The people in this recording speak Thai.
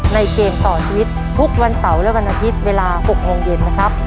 เกมต่อชีวิตทุกวันเสาร์และวันอาทิตย์เวลา๖โมงเย็นนะครับ